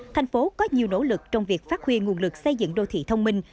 thành phố có nhiều nỗ lực trong việc phát huy nguồn lực xây dựng đô thị thông minh